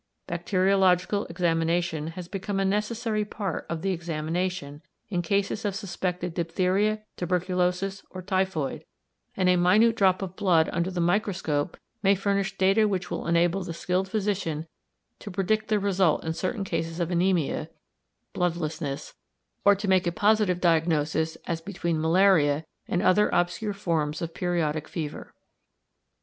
Bacteriological examination has become a necessary part of the examination in cases of suspected diphtheria, tuberculosis, or typhoid, and a minute drop of blood under the microscope may furnish data which will enable the skilled physician to predict the result in certain cases of anæmia [bloodlessness], or to make a positive diagnosis as between malaria and other obscure forms of periodic fever.